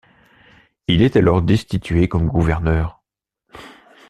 Il est alors destitué comme gouverneur.